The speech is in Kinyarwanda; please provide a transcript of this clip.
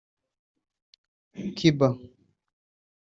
Cuba